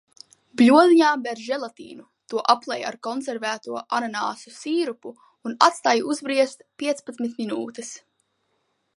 Bļodiņā ber želatīnu, to aplej ar konservēto ananasu sīrupu un atstāj uzbriest piecpadsmit minūtes.